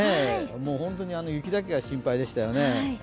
本当に雪だけは心配でしたよね。